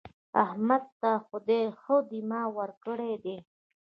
احمد ته خدای ښه دماغ ورکړی دی.